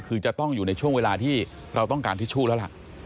คือจะต้องอยู่ในช่วงเวลาที่เราต้องการทิชชู่แล้วล่ะ